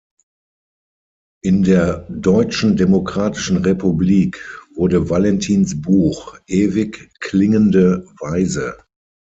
In der Deutschen Demokratischen Republik wurde Valentins Buch "Ewig klingende Weise.